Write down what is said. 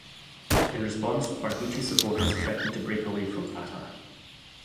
In response, Barghouti's supporters threatened to break away from Fatah.